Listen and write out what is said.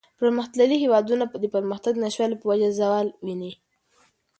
پرمختللي هېوادونه د پرمختگ د نشتوالي په وجه زوال ویني.